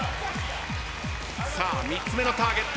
さあ３つ目のターゲット